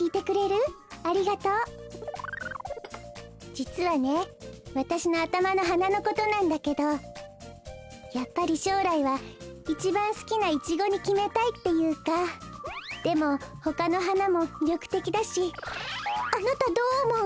じつはねわたしのあたまのはなのことなんだけどやっぱりしょうらいはいちばんすきなイチゴにきめたいっていうかでもほかのはなもみりょくてきだしあなたどうおもう？